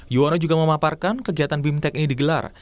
yuwono juga memaparkan kegiatan bimtek ini digelar